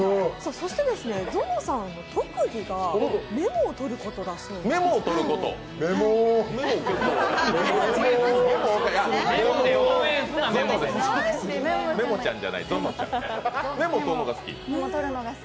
そしてゾノさんの特技がメモをとることだそうです。